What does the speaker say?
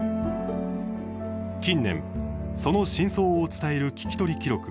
近年、その深層を伝える聞き取り記録